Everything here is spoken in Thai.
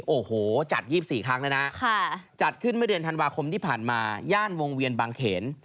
โอ้โหจัด๒๔ครั้งแล้วนะจัดขึ้นเมื่อเดือนธันวาคมที่ผ่านมาย่านวงเวียนบางเขน